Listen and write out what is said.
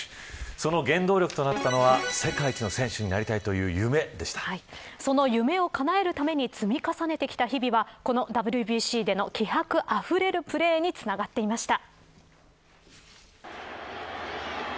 その原動力となったのは世界一の選手になりたいその夢をかなえるために積み重ねてきた日々はこのＷＢＣでの気迫あふれるプレーにつながっていました。